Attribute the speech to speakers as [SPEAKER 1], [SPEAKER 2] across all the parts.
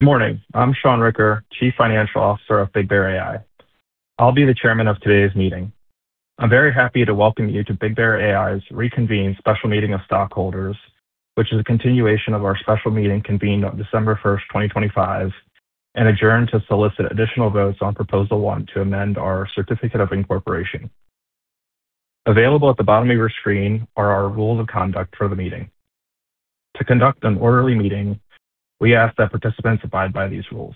[SPEAKER 1] Good morning. I'm Sean Ricker, Chief Financial Officer of BigBear.ai. I'll be the chairman of today's meeting. I'm very happy to welcome you to BigBear.ai's reconvened special meeting of stockholders, which is a continuation of our special meeting convened on December 1st, 2025, and adjourned to solicit additional votes on Proposal 1 to amend our Certificate of Incorporation. Available at the bottom of your screen are our rules of conduct for the meeting. To conduct an orderly meeting, we ask that participants abide by these rules.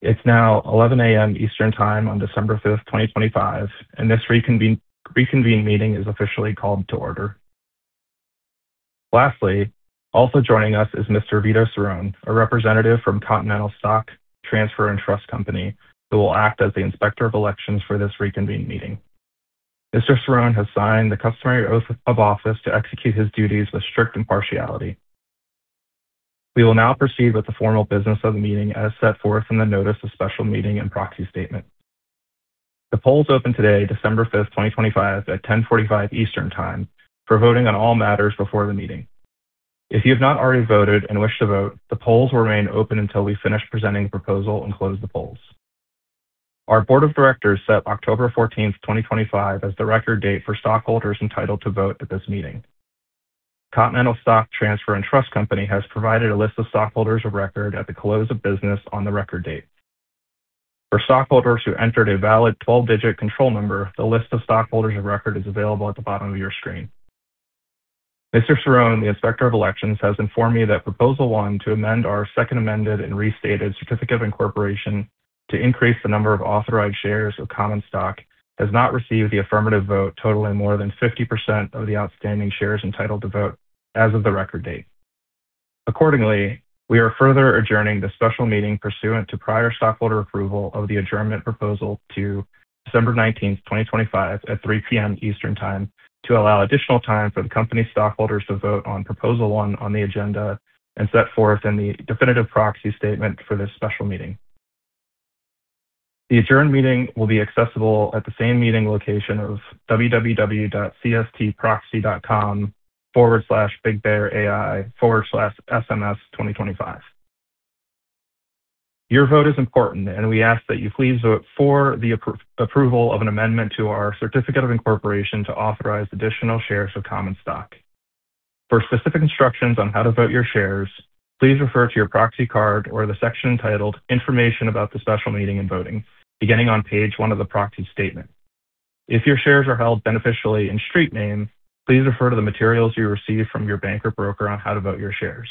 [SPEAKER 1] It's now 11:00 A.M. Eastern Time on December 5th, 2025, and this reconvened meeting is officially called to order. Lastly, also joining us is Mr. Vito Cirone, a representative from Continental Stock Transfer & Trust Company who will act as the inspector of elections for this reconvened meeting. Mr. Cirone has signed the customary oath of office to execute his duties with strict impartiality. We will now proceed with the formal business of the meeting as set forth in the Notice of Special Meeting and Proxy Statement. The polls open today, December 5th, 2025, at 10:45 Eastern Time for voting on all matters before the meeting. If you have not already voted and wish to vote, the polls will remain open until we finish presenting the proposal and close the polls. Our Board of Directors set October 14th, 2025, as the record date for stockholders entitled to vote at this meeting. Continental Stock Transfer & Trust Company has provided a list of stockholders of record at the close of business on the record date. For stockholders who entered a valid 12-digit control number, the list of stockholders of record is available at the bottom of your screen. Mr. Cirone, the inspector of elections, has informed me that Proposal 1 to amend our Second Amended and Restated Certificate of Incorporation to increase the number of authorized shares of common stock has not received the affirmative vote totaling more than 50% of the outstanding shares entitled to vote as of the record date. Accordingly, we are further adjourning the special meeting pursuant to prior stockholder approval of the adjournment proposal to December 19th, 2025, at 3:00 P.M. Eastern Time to allow additional time for the company's stockholders to vote on Proposal 1 on the agenda and set forth in the definitive proxy statement for this special meeting. The adjourned meeting will be accessible at the same meeting location of www.cstproxy.com/bigbear.ai/sms2025. Your vote is important, and we ask that you please vote for the approval of an amendment to our Certificate of Incorporation to authorize additional shares of common stock. For specific instructions on how to vote your shares, please refer to your proxy card or the section entitled Information about the Special Meeting and Voting, beginning on page one of the proxy statement. If your shares are held beneficially in street name, please refer to the materials you received from your bank or broker on how to vote your shares.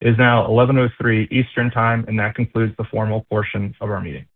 [SPEAKER 1] It is now 11:03 Eastern Time, and that concludes the formal portion of our meeting.